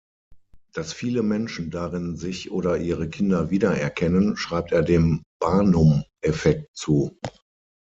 Dass viele Menschen darin sich oder ihre Kinder wiedererkennen, schreibt er dem Barnum-Effekt zu.